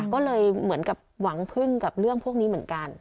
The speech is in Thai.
ก็เลยเหมือนกับหวังพึ่งกับเรื่องพวกนี้เหมือนกัน